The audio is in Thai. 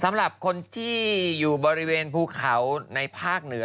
สำหรับคนที่อยู่บริเวณภูเขาในภาคเหนือ